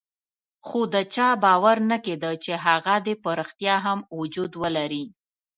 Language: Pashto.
خو د چا باور نه کېده چې هغه دې په ريښتیا هم وجود ولري.